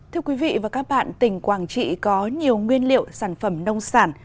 thưa quý vị và các bạn tỉnh quảng trị có nhiều nguyên liệu sản phẩm nông sản